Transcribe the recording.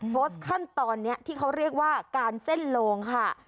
ขั้นตอนนี้ที่เขาเรียกว่าการเส้นโลงค่ะ